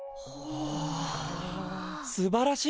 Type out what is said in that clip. お！